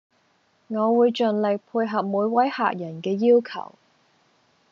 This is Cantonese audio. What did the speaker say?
我會盡力配合每位客人嘅要求